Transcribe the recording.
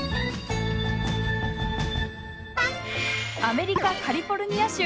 アメリカ・カリフォルニア州